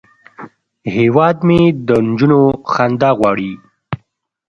هیواد مې د نجونو خندا غواړي